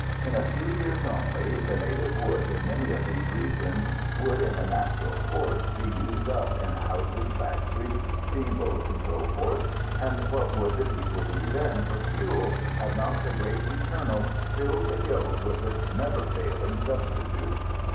In a few years only, the native wood in many of these regions would in a natural course be used up in houses, factories, steamboats, &c. and what would the people do then for fuel, had not the great Eternal filled the hills with this never failing substitute?